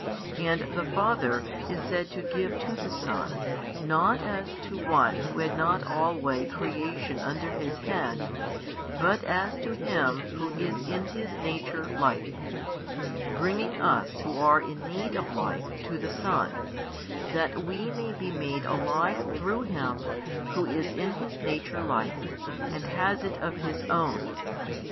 And the Father is said to give to the Son, not as to one who had not alway creation under His hand, but as to Him Who is in His Nature Life; bringing us who are in need of life to the Son, that we may be made alive through Him Who is in His Nature Life, and has it of His own.